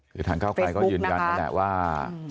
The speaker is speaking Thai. คือทางก้าวกลัยก็ยืนยันเลยนะว่า